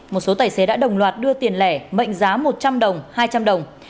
một số tài xế đã đồng loạt đưa tiền lẻ mệnh giá một trăm linh đồng hai trăm linh đồng